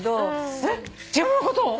えっ自分のことを？